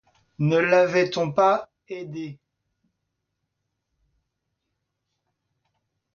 Ne l’avait-on pas aidée?